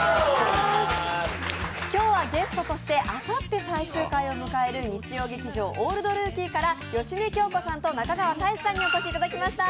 今日はゲストとしてあさって最終回を迎える日曜劇場「オールドルーキー」から芳根京子さんと中川大志さんにお越しいただきました。